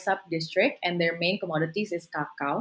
subdistrik dan komoditas utama mereka adalah kakao